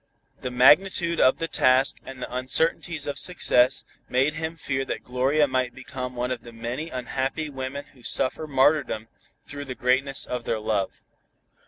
The magnitude of the task and the uncertainties of success made him fear that Gloria might become one of the many unhappy women who suffer martyrdom through the greatness of their love.